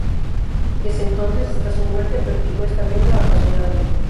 Desde entonces hasta su muerte, practicó esta lengua apasionadamente.